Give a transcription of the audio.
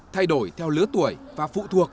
thay đổi theo lứa tuổi và phụ thuộc